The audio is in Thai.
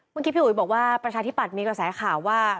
คุณคิดพี่อุ๋ยบอกว่าประชาธิปัตย์มีกระแสข่าวว่า